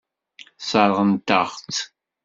Sseṛɣent-aɣ-tt.